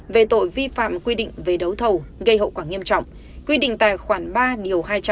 về tội vi phạm quy định về đấu thầu gây hậu quả nghiêm trọng quy định tại khoảng ba hai trăm hai mươi hai